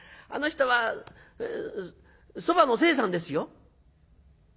あの人はそばの清さんですよ」。